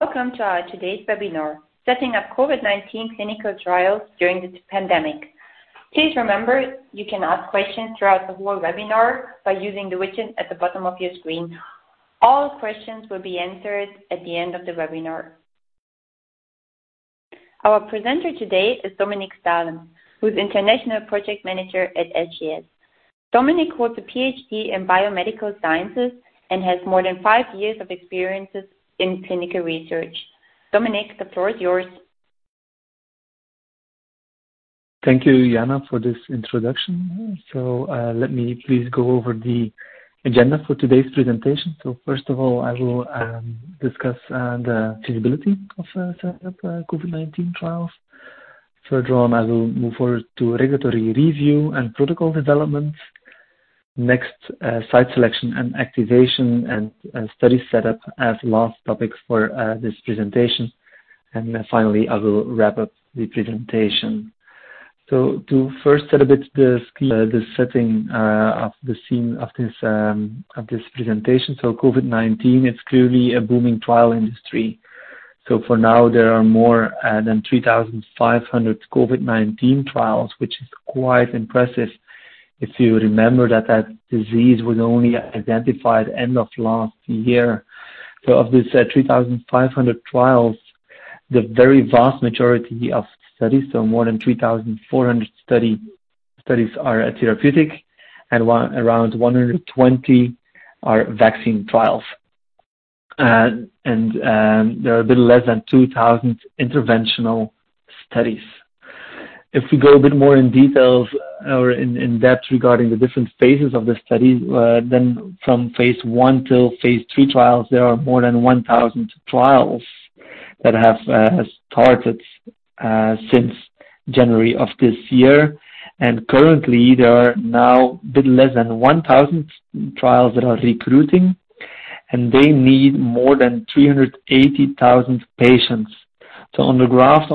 Welcome to our today's webinar, Setting up COVID-19 Clinical Trials during the pandemic. Please remember, you can ask questions throughout the whole webinar by using the widget at the bottom of your screen. All questions will be answered at the end of the webinar. Our presenter today is Dominiek Staelens, who's International Project Manager at SGS. Dominiek holds a PhD in Biomedical Sciences and has more than five years of experiences in clinical research. Dominiek, the floor is yours. Thank you, Yana, for this introduction. So, let me please go over the agenda for today's presentation. So first of all, I will discuss the feasibility of setting up COVID-19 trials. Furthermore, I will move forward to regulatory review and protocol development. Next, site selection and activation, and study set-up as last topics for this presentation. And then finally, I will wrap up the presentation. So to first set a bit the setting of the scene of this presentation. So COVID-19, it's clearly a booming trial industry. So for now, there are more than 3,500 COVID-19 trials, which is quite impressive if you remember that that disease was only identified end of last year. So of this 3,500 trials, the very vast majority of studies, so more than 3,400 studies are therapeutic and around 120 are vaccine trials. And there are a bit less than 2,000 interventional studies. If we go a bit more in details or in-depth regarding the different phases of the study, then from phase I till phase III trials, there are more than 1,000 trials that have started since January of this year. And currently, there are now a bit less than 1,000 trials that are recruiting, and they need more than 380,000 patients. So on the graph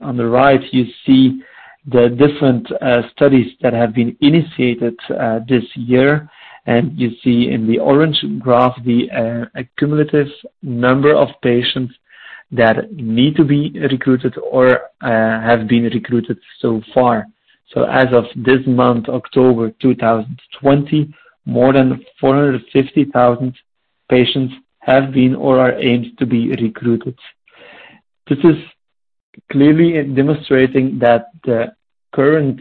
on the right, you see the different studies that have been initiated this year. And you see in the orange graph, the cumulative number of patients that need to be recruited or have been recruited so far. So as of this month, October 2020, more than 450,000 patients have been or are aimed to be recruited. This is clearly demonstrating that the current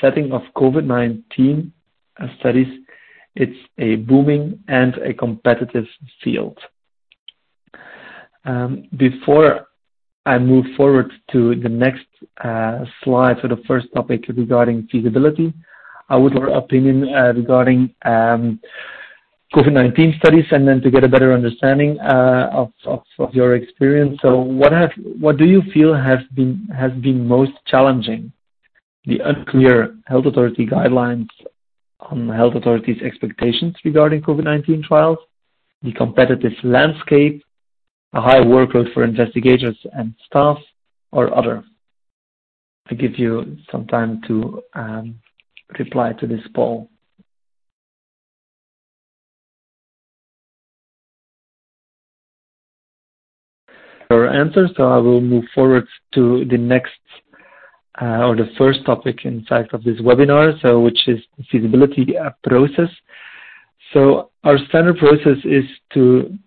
setting of COVID-19 studies, it's a booming and a competitive field. Before I move forward to the next slide, so the first topic regarding feasibility, I would your opinion regarding COVID-19 studies, and then to get a better understanding of your experience. So what do you feel has been most challenging? The unclear health authority guidelines on the health authority's expectations regarding COVID-19 trials, the competitive landscape, a high workload for investigators and staff, or other? I give you some time to reply to this poll. For answers, so I will move forward to the next, or the first topic inside of this webinar, so which is feasibility process. So our standard process is to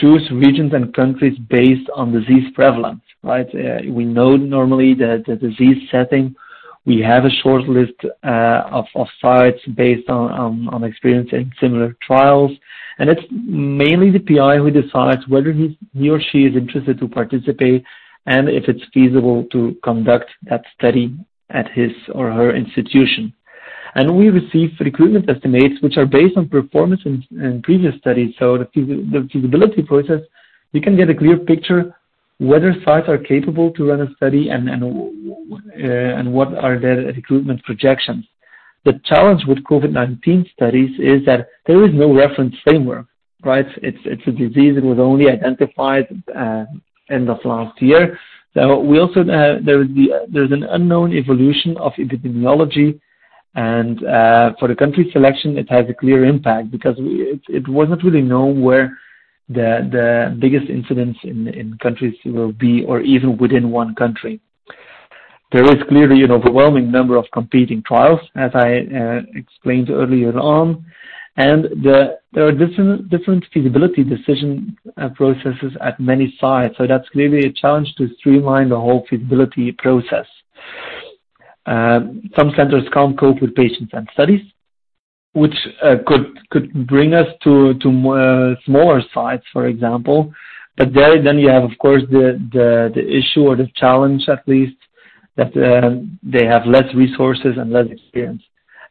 choose regions and countries based on disease prevalence, right? We know normally the disease setting. We have a short list of sites based on experience in similar trials. And it's mainly the PI who decides whether he or she is interested to participate and if it's feasible to conduct that study at his or her institution. And we receive recruitment estimates, which are based on performance in previous studies. So the feasibility process, you can get a clear picture whether sites are capable to run a study and what are their recruitment projections. The challenge with COVID-19 studies is that there is no reference framework, right? It's a disease that was only identified end of last year. So we also there is the, there's an unknown evolution of epidemiology and for the country selection, it has a clear impact because it wasn't really known where the biggest incidents in countries will be, or even within one country. There is clearly an overwhelming number of competing trials, as I explained earlier on, and there are different feasibility decision processes at many sites. So that's clearly a challenge to streamline the whole feasibility process. Some centers can't cope with patients and studies, which could bring us to smaller sites, for example. But there, then you have, of course, the issue or the challenge at least, that they have less resources and less experience.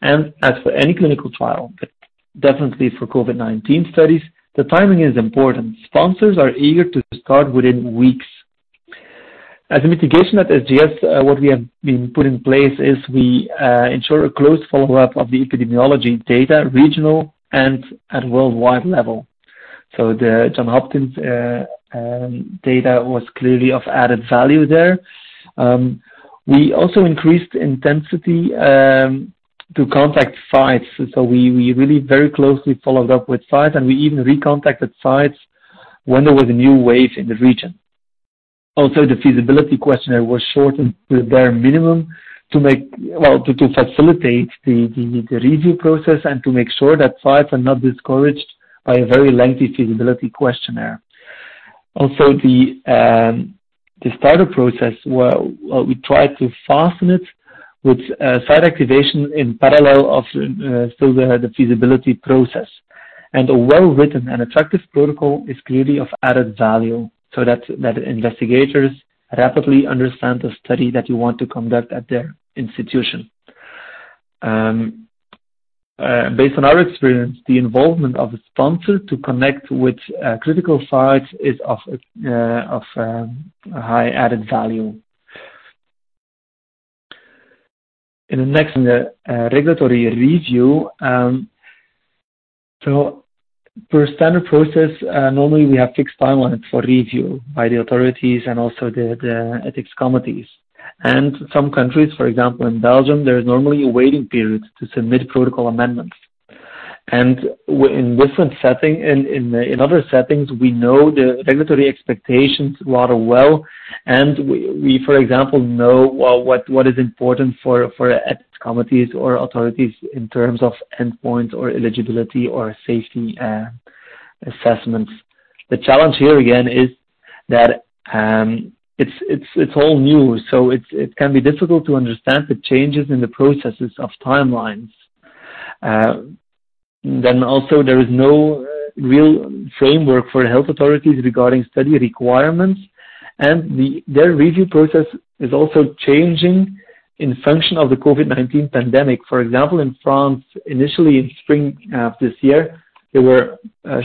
As for any clinical trial, but definitely for COVID-19 studies, the timing is important. Sponsors are eager to start within weeks. As a mitigation at SGS, what we have put in place is we ensure a close follow-up of the epidemiology data, regional and at worldwide level. So the Johns Hopkins data was clearly of added value there. We also increased intensity to contact sites. So we really very closely followed up with sites, and we even recontacted sites when there was a new wave in the region. Also, the feasibility questionnaire was shortened to the bare minimum to make, well, to facilitate the review process and to make sure that sites are not discouraged by a very lengthy feasibility questionnaire. Also, the starter process, well, we tried to fasten it with site activation in parallel of so the feasibility process. And a well-written and attractive protocol is clearly of added value so that investigators rapidly understand the study that you want to conduct at their institution. Based on our experience, the involvement of the sponsor to connect with critical sites is of high added value. In the next regulatory review, so for standard process, normally we have fixed timelines for review by the authorities and also the ethics committees. Some countries, for example, in Belgium, there is normally a waiting period to submit protocol amendments. In different settings, we know the regulatory expectations rather well, and we for example know well what is important for ethics committees or authorities in terms of endpoints or eligibility or safety assessments. The challenge here, again, is that it's all new, so it can be difficult to understand the changes in the processes of timelines. Then also there is no real framework for health authorities regarding study requirements, and their review process is also changing in function of the COVID-19 pandemic. For example, in France, initially in spring of this year, there were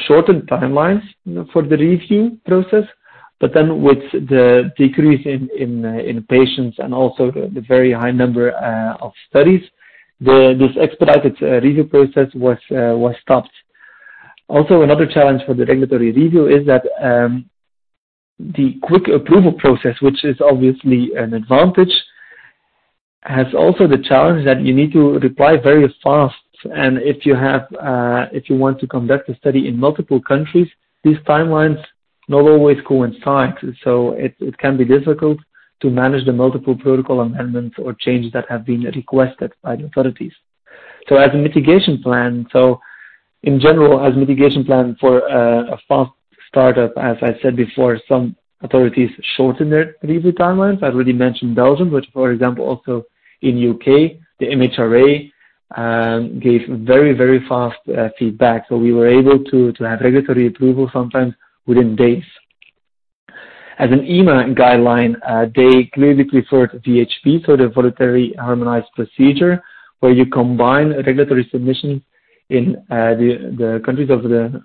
shortened timelines for the review process, but then with the decrease in patients and also the very high number of studies, this expedited review process was stopped. Also, another challenge for the regulatory review is that the quick approval process, which is obviously an advantage, has also the challenge that you need to reply very fast. If you want to conduct a study in multiple countries, these timelines not always coincide. It can be difficult to manage the multiple protocol amendments or changes that have been requested by the authorities. As a mitigation plan, in general, as a mitigation plan for a fast start-up, as I said before, some authorities shortened their review timelines. I've already mentioned Belgium, but for example, also in U.K., the MHRA, gave very, very fast, feedback. So we were able to, to have regulatory approval sometimes within days. As an EMA guideline, they clearly preferred VHP, so the Voluntary Harmonised Procedure, where you combine regulatory submissions in, the, the countries of the,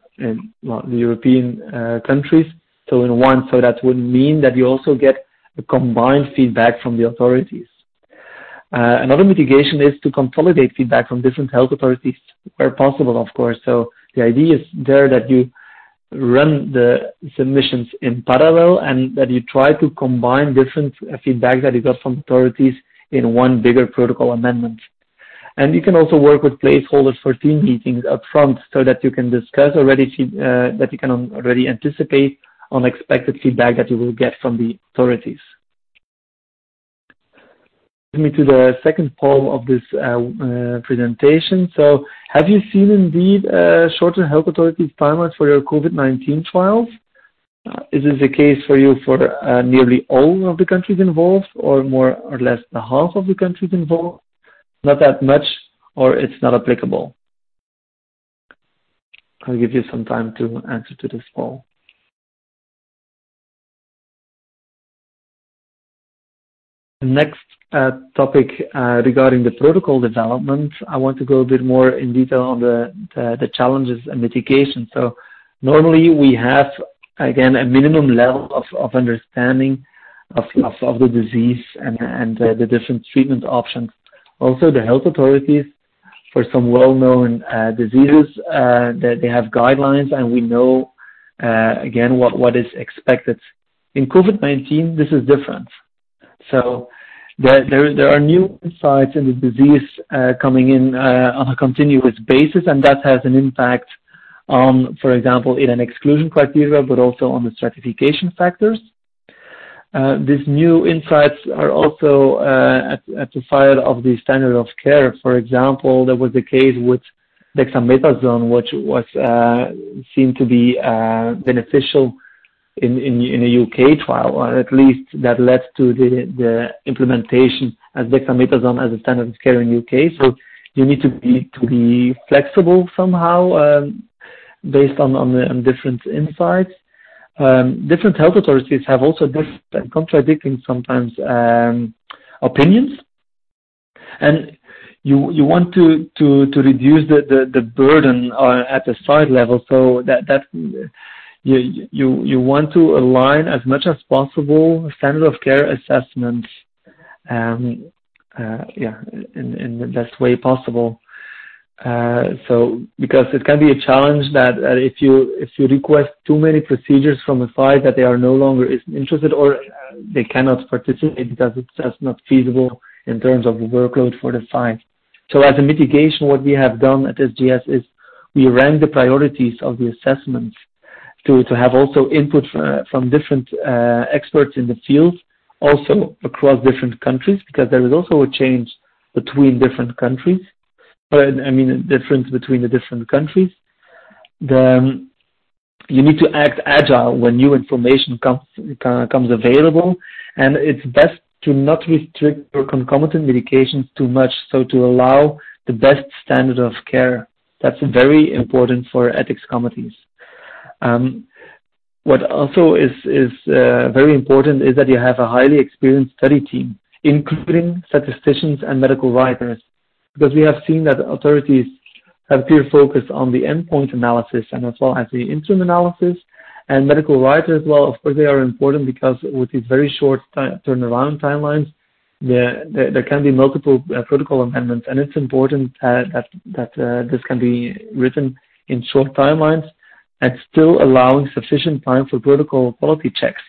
well, the European, countries, so in one. So that would mean that you also get a combined feedback from the authorities. Another mitigation is to consolidate feedback from different health authorities, where possible, of course. So the idea is there that you run the submissions in parallel and that you try to combine different, feedback that you got from authorities in one bigger protocol amendment. You can also work with placeholders for team meetings upfront so that you can discuss already that you can already anticipate unexpected feedback that you will get from the authorities. Let me to the second poll of this presentation. So have you seen indeed shorter health authority timelines for your COVID-19 trials? Is this the case for you for nearly all of the countries involved, or more or less than half of the countries involved? Not that much, or it's not applicable. I'll give you some time to answer to this poll. Next topic regarding the protocol development, I want to go a bit more in detail on the challenges and mitigation. So normally we have again a minimum level of the disease and the different treatment options. Also, the health authorities for some well-known diseases, they have guidelines, and we know, again, what is expected. In COVID-19, this is different. So there are new insights in the disease coming in on a continuous basis, and that has an impact on, for example, in an exclusion criteria, but also on the stratification factors. These new insights are also at the site of the standard of care. For example, there was the case with dexamethasone, which seemed to be beneficial in a UK trial, or at least that led to the implementation of dexamethasone as a standard of care in UK. So you need to be flexible somehow, based on the different insights. Different health authorities have also different contradicting sometimes opinions. And you want to reduce the burden at the site level, so that you want to align as much as possible Standard of Care assessments, yeah, in the best way possible. So because it can be a challenge that if you request too many procedures from a site, that they are no longer interested or they cannot participate because it's just not feasible in terms of the workload for the site. So as a mitigation, what we have done at SGS is we ran the priorities of the assessments to have also input from different experts in the field, also across different countries, because there is also a change between different countries. But I mean, difference between the different countries. Then, you need to act agile when new information comes available, and it's best to not restrict your concomitant medications too much. So to allow the best standard of care, that's very important for ethics committees. What also is very important is that you have a highly experienced study team, including statisticians and medical writers. Because we have seen that authorities have clear focus on the endpoint analysis and as well as the interim analysis and medical writers, well, of course, they are important because with these very short time-turnaround timelines, there can be multiple protocol amendments. And it's important that this can be written in short timelines and still allowing sufficient time for protocol quality checks.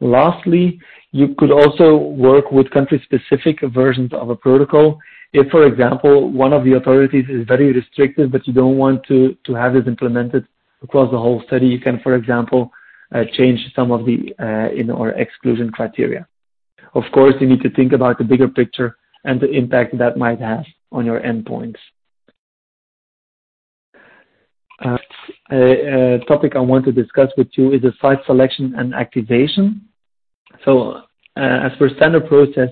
Lastly, you could also work with country-specific versions of a protocol. If, for example, one of the authorities is very restrictive, but you don't want to have this implemented across the whole study, you can, for example, change some of the in our exclusion criteria. Of course, you need to think about the bigger picture and the impact that might have on your endpoints. A topic I want to discuss with you is the site selection and activation. So, as for standard process,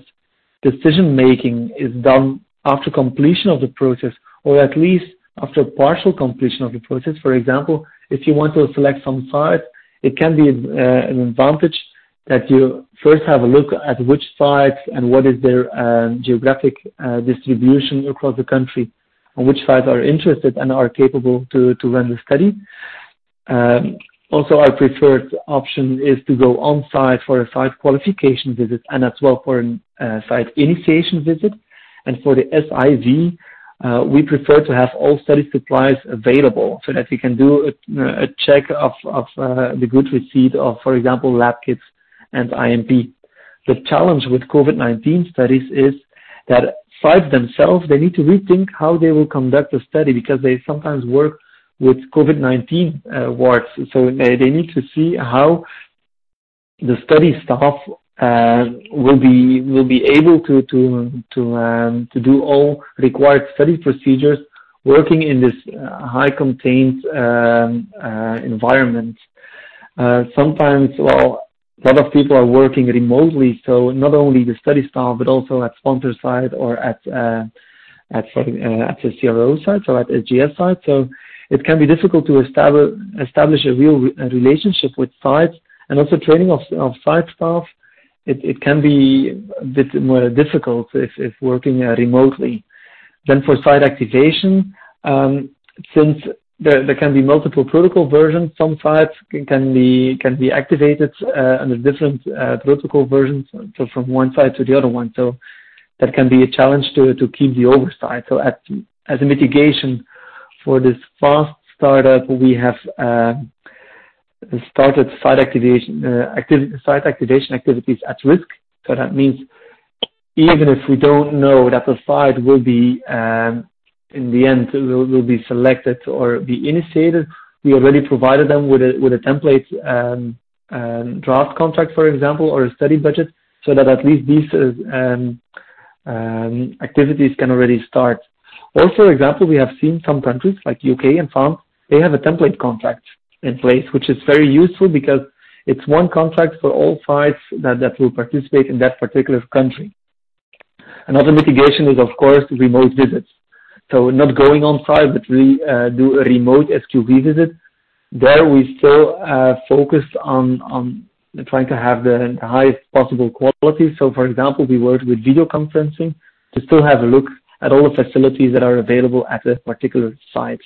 decision-making is done after completion of the process or at least after partial completion of the process. For example, if you want to select some site, it can be an advantage that you first have a look at which sites and what is their geographic distribution across the country, and which sites are interested and are capable to run the study. Also, our preferred option is to go on site for a site qualification visit and as well for site initiation visit. And for the SIV, we prefer to have all study supplies available so that we can do a check of the goods receipt of, for example, lab kits and IMP. The challenge with COVID-19 studies is that sites themselves, they need to rethink how they will conduct a study, because they sometimes work with COVID-19 wards. So they need to see how the study staff will be able to do all required study procedures working in this high containment environment. Sometimes, well, a lot of people are working remotely, so not only the study staff, but also at sponsor site or at the CRO site, so at SGS site. So it can be difficult to establish a real relationship with sites and also training of site staff. It can be a bit more difficult if working remotely. Then for site activation, since there can be multiple protocol versions, some sites can be activated under different protocol versions, so from one site to the other one. So that can be a challenge to keep the oversight. So as a mitigation for this fast startup, we have started site activation activities at risk. So that means even if we don't know that the site will be in the end will be selected or be initiated, we already provided them with a template draft contract, for example, or a study budget, so that at least these activities can already start. Also, for example, we have seen some countries like UK and France, they have a template contract in place, which is very useful because it's one contract for all sites that will participate in that particular country. Another mitigation is, of course, remote visits. So not going on site, but we do a remote SQV visit. There, we still focus on trying to have the highest possible quality. So for example, we work with video conferencing to still have a look at all the facilities that are available at the particular site.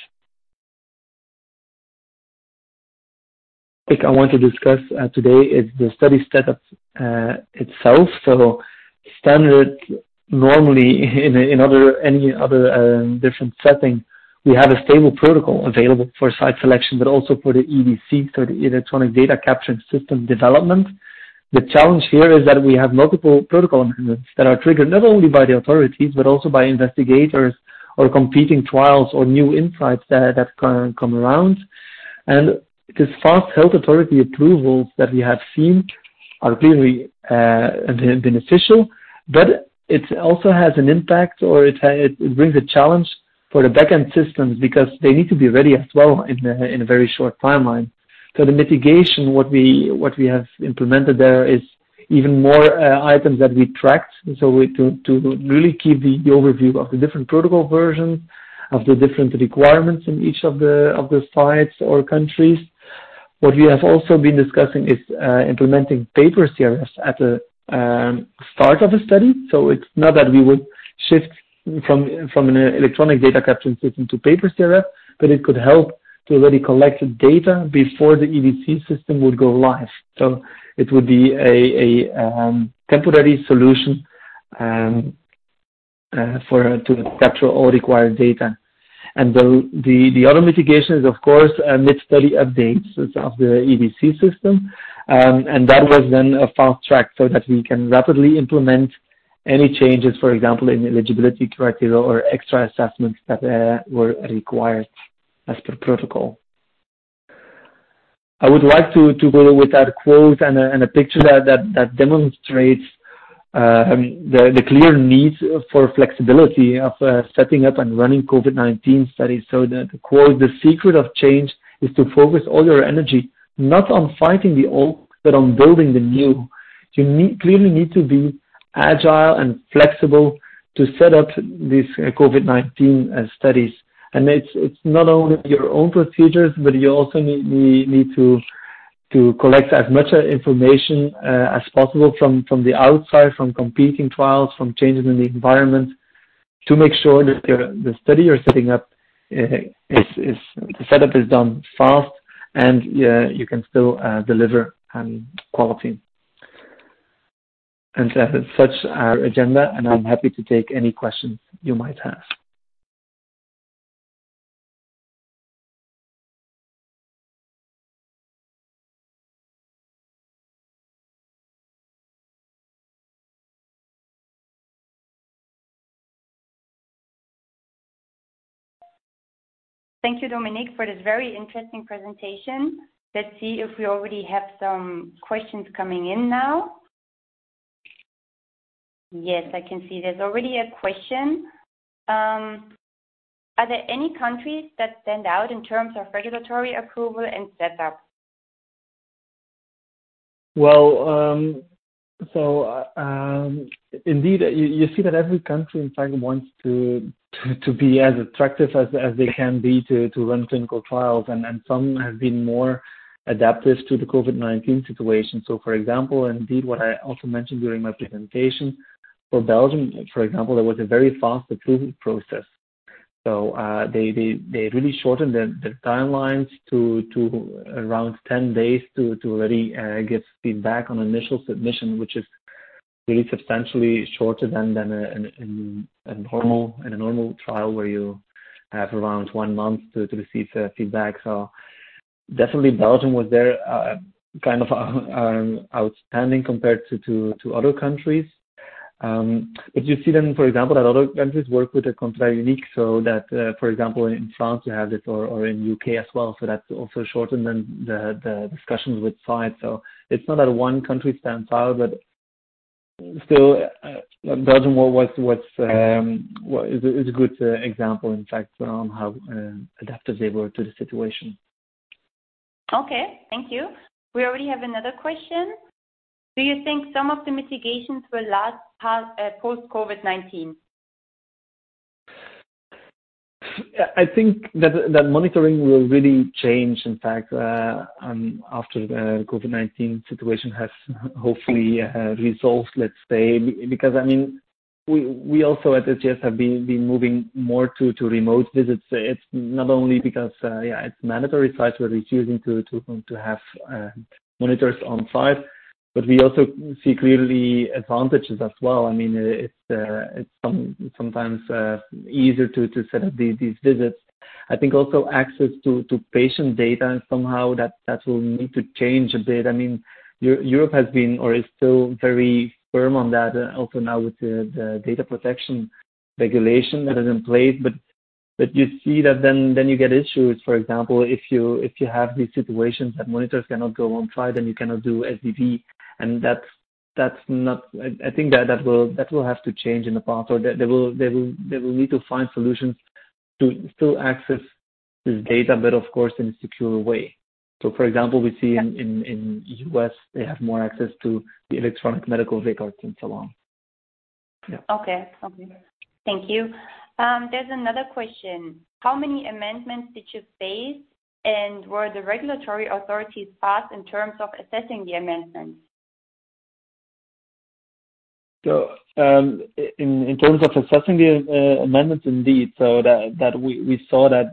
I think I want to discuss today is the study setup itself. So standard normally in other, any other, different setting, we have a stable protocol available for site selection, but also for the EDC, so the electronic data capture and system development. The challenge here is that we have multiple protocol amendments that are triggered not only by the authorities, but also by investigators or competing trials or new insights that can come around. And this fast health authority approvals that we have seen are clearly beneficial, but it also has an impact, or it brings a challenge for the back-end systems because they need to be ready as well in a very short timeline. So the mitigation, what we have implemented there is even more items that we tracked. So, to really keep the overview of the different protocol versions, of the different requirements in each of the sites or countries. What we have also been discussing is implementing paper CRF at the start of the study. So it's not that we would shift from an electronic data capture system to paper CRF, but it could help to already collect the data before the EDC system would go live. So it would be a temporary solution to capture all required data. And the other mitigation is, of course, mid-study updates of the EDC system. And that was then a fast track so that we can rapidly implement any changes, for example, in eligibility criteria or extra assessments that were required as per protocol. I would like to go with a quote and a picture that demonstrates the clear need for flexibility of setting up and running COVID-19 studies. So the quote, "The secret of change is to focus all your energy, not on fighting the old, but on building the new." You clearly need to be agile and flexible to set up these COVID-19 studies. And it's not only your own procedures, but you also need to collect as much information as possible from the outside, from competing trials, from changes in the environment, to make sure that the study you're setting up is the setup is done fast and you can still deliver quality. That is our agenda, and I'm happy to take any questions you might have. Thank you, Dominiek, for this very interesting presentation. Let's see if we already have some questions coming in now. Yes, I can see there's already a question. Are there any countries that stand out in terms of regulatory approval and setup? Well, so, indeed, you see that every country, in fact, wants to be as attractive as they can be to run clinical trials, and some have been more adaptive to the COVID-19 situation. So for example, indeed, what I also mentioned during my presentation, for Belgium, for example, there was a very fast approval process. So, they really shortened the timelines to around 10 days to already get feedback on initial submission, which is really substantially shorter than in a normal trial, where you have around one month to receive the feedback. So definitely Belgium was there, kind of, outstanding compared to other countries. But you see then, for example, that other countries work with a Contrat Unique, so that, for example, in France you have it or in U.K. as well, so that's also shortened then the discussions with site. So it's not that one country stands out, but still, Belgium was, is a good example, in fact, on how adaptive they were to the situation. Okay, thank you. We already have another question. Do you think some of the mitigations will last past, post-COVID-19? I think that monitoring will really change, in fact, after the COVID-19 situation has hopefully resolved, let's say. Because, I mean, we also at SGS have been moving more to remote visits. It's not only because, yeah, it's mandatory sites were refusing to have monitors on site, but we also see clearly advantages as well. I mean, it's sometimes easier to set up these visits. I think also access to patient data and somehow that will need to change a bit. I mean, Europe has been or is still very firm on that, also now with the data protection regulation that is in place. But you see that then you get issues. For example, if you have these situations that monitors cannot go on site, then you cannot do SDV, and that's not... I think that will have to change in the past, or they will need to find solutions to still access this data, but of course, in a secure way. So for example, we see in U.S., they have more access to the electronic medical records and so on. Yeah. Okay. Okay. Thank you. There's another question: How many amendments did you face, and were the regulatory authorities fast in terms of assessing the amendments? So, in terms of assessing the amendments, indeed, so that we saw that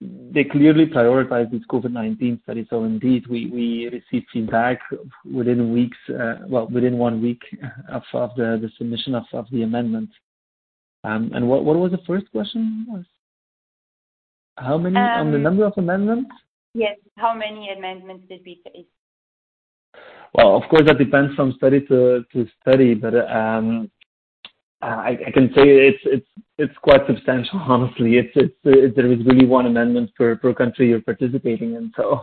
they clearly prioritized these COVID-19 studies. So indeed, we received feedback within weeks, well, within one week of the submission of the amendments. And what was the first question? How many- Um- -on the number of amendments? Yes. How many amendments did we face? Well, of course, that depends from study to study, but I can say it's quite substantial honestly. It's there is really one amendment per country you're participating in. So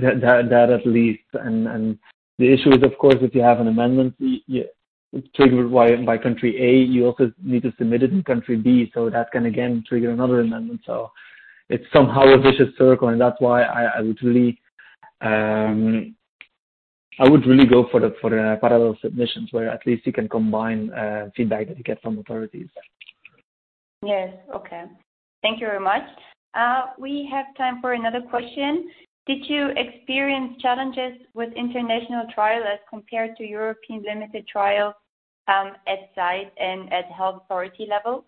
that at least. And the issue is, of course, if you have an amendment you triggered by country A, you also need to submit it in country B, so that can again trigger another amendment. So it's somehow a vicious circle, and that's why I would really go for the parallel submissions, where at least you can combine feedback that you get from authorities. Yes. Okay. Thank you very much. We have time for another question: Did you experience challenges with international trial as compared to European limited trial, at site and at health authority level?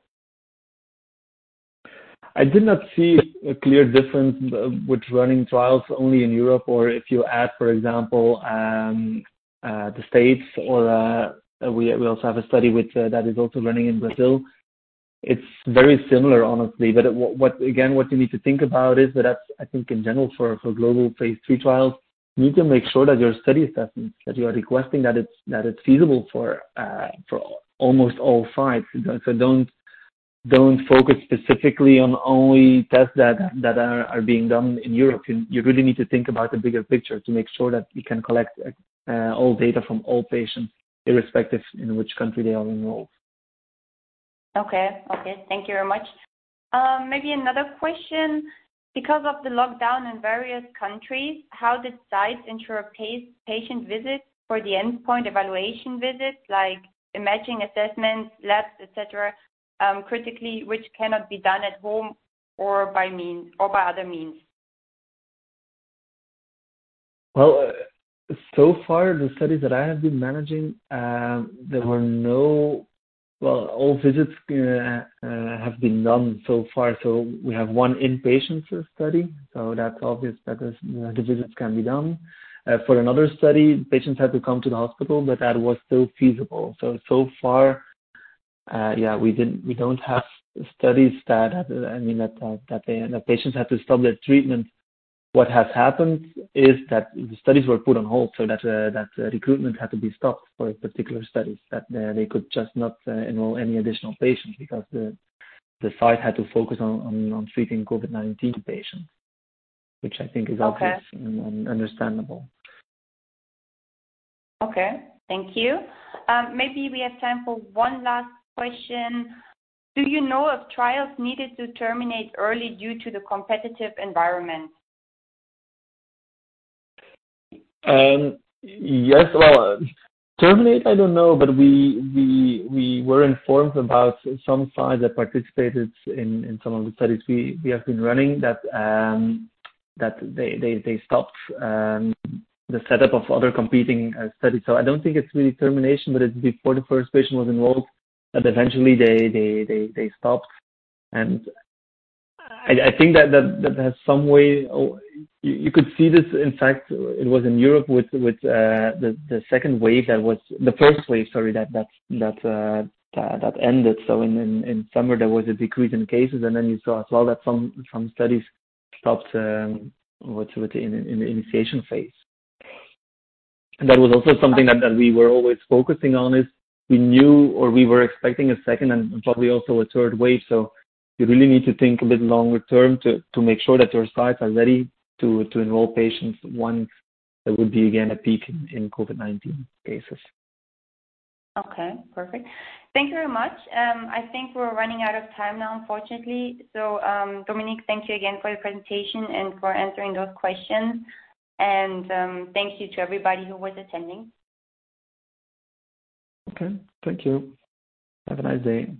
I did not see a clear difference with running trials only in Europe or if you add, for example, the States or we also have a study that is also running in Brazil. It's very similar, honestly, but what again, what you need to think about is that, I think in general for global phase three trials, you need to make sure that your study assessments that you are requesting, that it's feasible for almost all sites. So don't focus specifically on only tests that are being done in Europe. You really need to think about the bigger picture to make sure that you can collect all data from all patients, irrespective in which country they are enrolled. Okay. Okay, thank you very much. Maybe another question. Because of the lockdown in various countries, how did sites ensure patient visits for the endpoint evaluation visits, like imaging assessments, labs, et cetera, critically, which cannot be done at home or by means, or by other means? Well, so far, the studies that I have been managing, there were no. Well, all visits have been done so far, so we have one inpatient study, so that's obvious that the visits can be done. For another study, patients had to come to the hospital, but that was still feasible. So, so far, yeah, we didn't, we don't have studies that, I mean, that the patients had to stop their treatment. What has happened is that the studies were put on hold, so that recruitment had to be stopped for particular studies, that they could just not enroll any additional patients because the site had to focus on treating COVID-19 patients, which I think is obvious. Okay. and understandable. Okay, thank you. Maybe we have time for one last question. Do you know if trials needed to terminate early due to the competitive environment? Yes. Well, terminate, I don't know, but we were informed about some sites that participated in some of the studies we have been running, that they stopped the setup of other competing studies. So I don't think it's really termination, but it's before the first patient was enrolled, that eventually they stopped. And I think that has some way. You could see this, in fact, it was in Europe with the second wave that was, the first wave, sorry, that ended. So in summer, there was a decrease in cases, and then you saw as well that some studies stopped what you would say, in the initiation phase. That was also something that we were always focusing on, is we knew or we were expecting a second and probably also a third wave. You really need to think a bit longer term to make sure that your sites are ready to enroll patients once there would be, again, a peak in COVID-19 cases. Okay, perfect. Thank you very much. I think we're running out of time now, unfortunately. So, Dominiek, thank you again for your presentation and for answering those questions. And, thank you to everybody who was attending. Okay, thank you. Have a nice day.